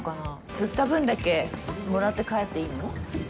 釣った分だけもらって帰っていいの？